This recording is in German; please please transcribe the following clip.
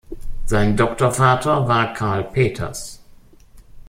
Sein Doktorvater war Karl Peters.